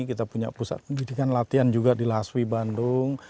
kita punya pusat pendidikan latihan juga di laswi bandung